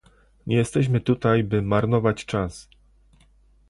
Nie jesteśmy tutaj, by marnować czas